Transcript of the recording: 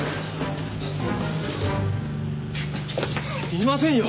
いませんよ